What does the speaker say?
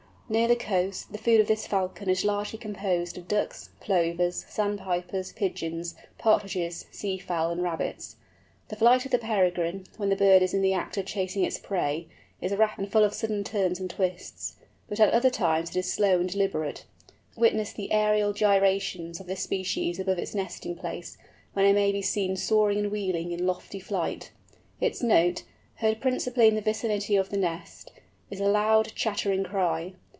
Near the coast, the food of this Falcon is largely composed of Ducks, Plovers, Sandpipers, Pigeons, Partridges, sea fowl, and rabbits. The flight of the Peregrine, when the bird is in the act of chasing its prey, is rapid, and full of sudden turns and twists, but at other times it is slow and deliberate. Witness the aerial gyrations of this species above its nesting place, when it may be seen soaring and wheeling in lofty flight. Its note, heard principally in the vicinity of the nest, is a loud, chattering cry.